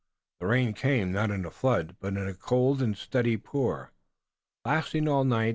The rain came, not in a flood, but in a cold and steady pour lasting all night.